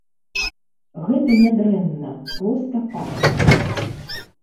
Гэта не дрэнна, проста факт.